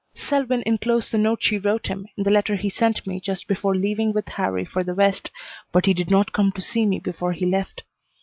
Selwyn inclosed the note she wrote him in the letter he sent me just before leaving with Harrie for the West, but he did not come to see me before he left.